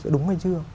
đúng hay chưa